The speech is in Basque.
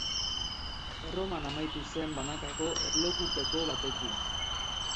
Erroman amaitu zen banakako erlojupeko batekin.